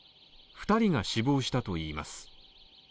２人が死亡したといいます。